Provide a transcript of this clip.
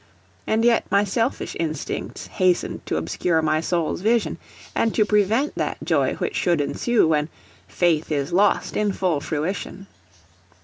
And yet my selfish instincts hastened to obscure my soul's vision, and to prevent that joy which should ensue when "Faith is lost in full fruition."